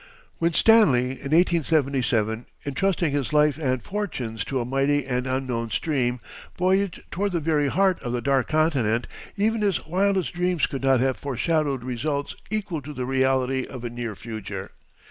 When Stanley, in 1877, intrusting his life and fortunes to a mighty and unknown stream, voyaged toward the very heart of the Dark Continent, even his wildest dreams could not have foreshadowed results equal to the reality of a near future.